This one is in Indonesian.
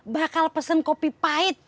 bakal pesen kopi pahit